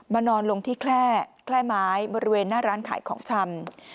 นอนลงที่แคล่ไม้บริเวณหน้าร้านขายของชำ